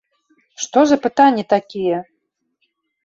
Што за пытанні такія???